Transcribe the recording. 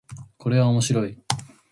これは面白い